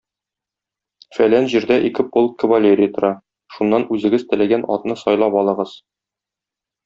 Фәлән җирдә ике полк кавалерия тора, шуннан үзегез теләгән атны сайлап алыгыз.